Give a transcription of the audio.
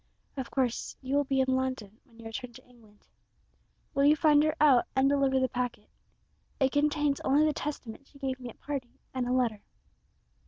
Of course you will be in London when you return to England. Will you find her out and deliver the packet? It contains only the Testament she gave me at parting and a letter."